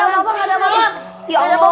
enggak ada apa apa enggak ada apa apa